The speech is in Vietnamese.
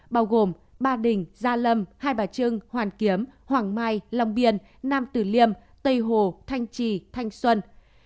bao gồm ba đình gia lâm hai bà trưng hoàn kiếm hoàng mai long biên nam tử liêm tây hồ thanh trì thanh xuân